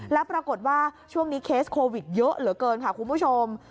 แล้วปรากฏว่าช่วงนี้เคสโควิดเยอะเหลือเกินค่ะคุณผู้ชม